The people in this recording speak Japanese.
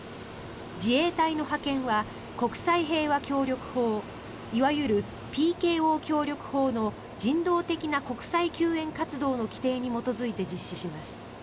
自衛隊の派遣は国際平和協力法いわゆるＰＫＯ協力法の人道的な国際救援活動の規定に基づいて実施します。